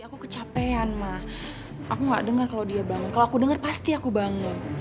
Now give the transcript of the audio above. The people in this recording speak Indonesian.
aku kecapean ma aku gak denger kalo dia bangun kalo aku denger pasti aku bangun